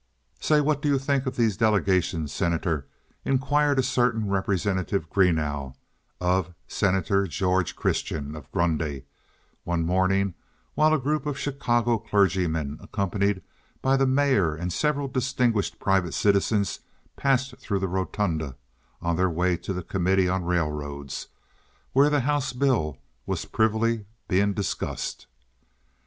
"Say, what do you think of these delegations, Senator?" inquired a certain Representative Greenough of Senator George Christian, of Grundy, one morning, the while a group of Chicago clergymen accompanied by the mayor and several distinguished private citizens passed through the rotunda on their way to the committee on railroads, where the house bill was privily being discussed.